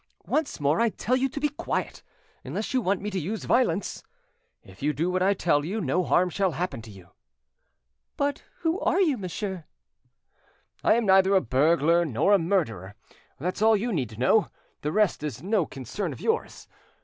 Once more I tell you to be quiet, unless you want me to use violence. If you do what I tell you, no harm shall happen to you." "But who are you, monsieur?" "I am neither a burglar nor a murderer; that's all you need to know; the rest is no concern of yours.